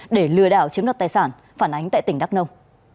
để lừa đảo chiếm đoạt tài sản phản ánh tại tỉnh đắk nông